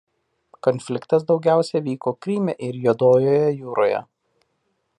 Konfliktas daugiausia vyko Kryme ir Juodojoje jūroje.